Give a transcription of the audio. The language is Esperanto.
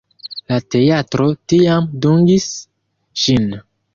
La teatro tiam dungis ŝin.